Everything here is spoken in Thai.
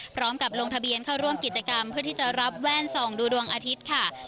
ลงทะเบียนเข้าร่วมกิจกรรมเพื่อที่จะรับแว่นส่องดูดวงอาทิตย์ค่ะ